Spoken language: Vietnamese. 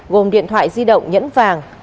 gồm điện thoại di động nhẫn vàng